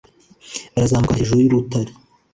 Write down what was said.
Barazamuka bajya hejuru y'urutare.